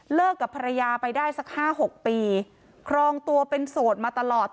กับภรรยาไปได้สักห้าหกปีครองตัวเป็นโสดมาตลอด